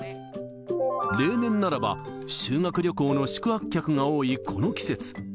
例年ならば、修学旅行の宿泊客が多いこの季節。